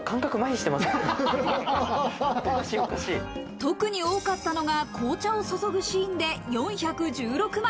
特に多かったのが紅茶を注ぐシーンで４１６枚。